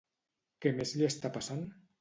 Què més li està passant?